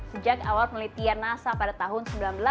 sejak awal penelitian nasa pada tahun seribu sembilan ratus delapan puluh